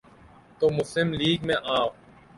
تو مسلم لیگ میں آ۔